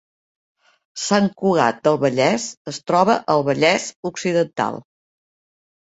Sant Cugat del Vallès es troba al Vallès Occidental